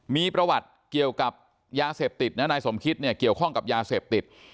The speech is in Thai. มีประวัติเกี่ยวกับยาเสพติดนะนายสมคิดเนี่ยเกี่ยวข้องกับยาเสพติด